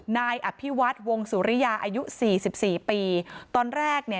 นายอภิวัฒน์วงสุริยาอายุสี่สิบสี่ปีตอนแรกเนี่ย